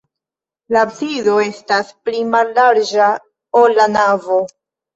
La absido estas pli mallarĝa, ol la navo.